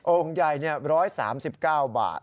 โอ่งใหญ่เนี่ย๑๓๙บาท